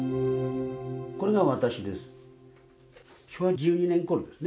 これが私です。